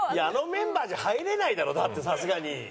あのメンバーじゃ入れないだろだってさすがに。